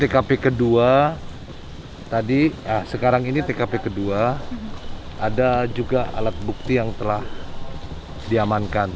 kemudian tkp kedua ada juga alat bukti yang telah diamankan